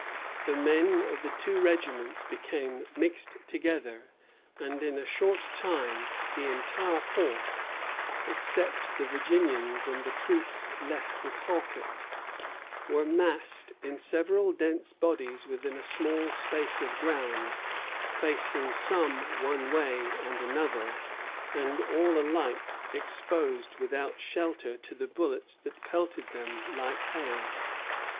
The men of the two regiments became mixed together; and in a short time the entire force, except the Virginians and the troops left with Halket, were massed in several dense bodies within a small space of ground, facing some one way and some another, and all alike exposed without shelter to the bullets that pelted them like hail.